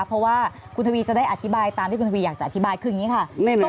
เพราะว่าคุณทวีจะได้อธิบายตามที่คุณทวีอยากจะอธิบายคืออย่างนี้ค่ะ